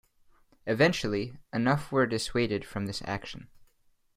Eventually, enough were dissuaded from this action.